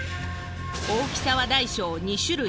大きさは大小２種類。